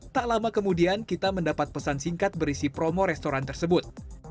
tak lama kemudian kita mendapat pesan singkat berisi promo restoran tersebut